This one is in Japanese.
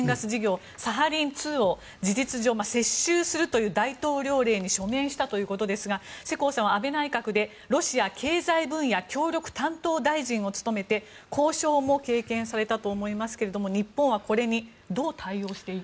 ロシアがサハリン２を事実上、接収するという大統領令に署名しましたが世耕さんは安倍内閣でロシア経済分野協力担当大臣を務めて交渉も経験されたと思いますがいかがでしょうか。